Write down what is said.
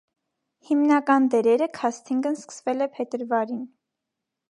Հիմնական դերերը քասթինգն սկսվել է փետրվարին։